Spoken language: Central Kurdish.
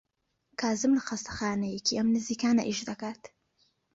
کازم لە خەستەخانەیەکی ئەم نزیکانە ئیش دەکات.